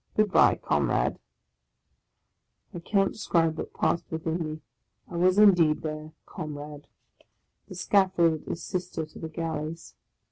Good bye, Comrade !"\ I cannot describe what passed within me. I was indeed * their " comrade !" The Scaffold is Sister to the Galleys.